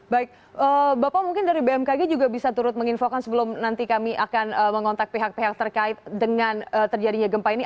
baik bapak mungkin dari bmkg juga bisa turut menginfokan sebelum nanti kami akan mengontak pihak pihak terkait dengan terjadinya gempa ini